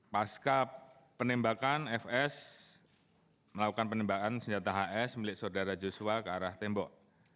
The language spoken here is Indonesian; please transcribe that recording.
pasca penembakan fs melakukan penembakan senjata hs milik saudara joshua ke arah tembok